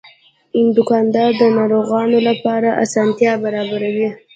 دوکاندار د ناروغانو لپاره اسانتیا برابروي.